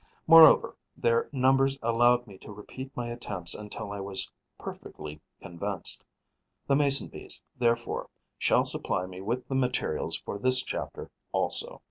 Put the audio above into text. Moreover, their numbers allowed me to repeat my attempts until I was perfectly convinced. The Mason bees, therefore, shall supply me with the materials for this chapter also.